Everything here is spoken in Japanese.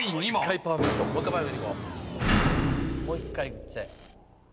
もう１回いきたい。